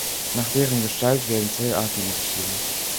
Nach deren Gestalt werden zwei Arten unterschieden.